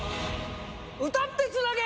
歌ってつなげ！